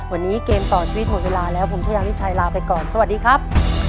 วันนี้เกมต่อชีวิตหมดเวลาแล้วผมชายาวิชัยลาไปก่อนสวัสดีครับ